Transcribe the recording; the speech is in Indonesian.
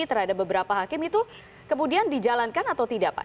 terhadap beberapa hakim itu kemudian dijalankan atau tidak pak